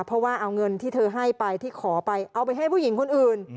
เพราะว่าเอาเงินที่เธอให้ไปที่ขอไปเอาไปให้ผู้หญิงคนอื่น